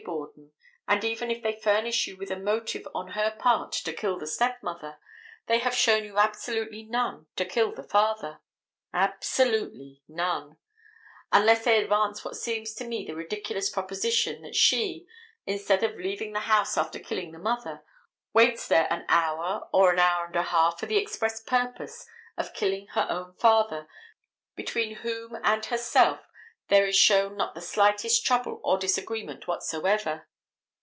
Borden; and even if they furnish you with a motive on her part to kill the step mother, they have shown you absolutely none to kill the father. Absolutely none; unless they advance what seems to me the ridiculous proposition that she, instead of leaving the house after killing the mother, waits there an hour or an hour and a half for the express purpose of killing her own father, between whom and herself there is shown not the slightest trouble or disagreement whatsoever.